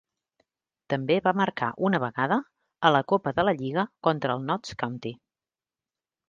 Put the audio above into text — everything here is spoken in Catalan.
També va marcar una vegada a la Copa de la Lliga contra el Notts County.